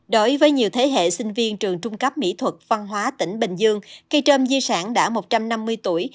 đối với nhiều thế hệ sinh viên trường trung cấp mỹ thuật văn hóa tỉnh bình dương cây trơm di sản đã một trăm năm mươi tuổi